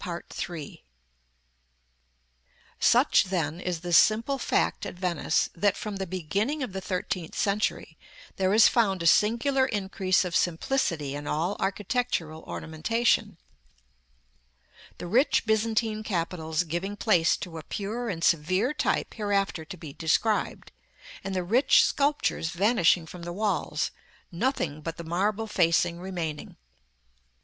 " § XLII. Such, then, is the simple fact at Venice, that from the beginning of the thirteenth century there is found a singular increase of simplicity in all architectural ornamentation; the rich Byzantine capitals giving place to a pure and severe type hereafter to be described, and the rich sculptures vanishing from the walls, nothing but the marble facing remaining.